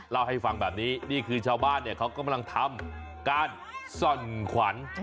เล่าให้ฟังแบบนี้นี่คือชาวบ้านเนี่ยเขากำลังทำการส่อนขวัญ